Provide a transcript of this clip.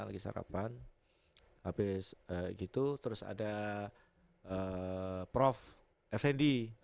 habis gitu terus ada prof effendi